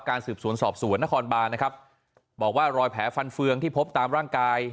สืบสวนสอบสวนนครบานนะครับบอกว่ารอยแผลฟันเฟืองที่พบตามร่างกาย